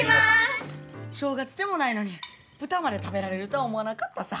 正月でもないのに豚まで食べられるとは思わなかったさ。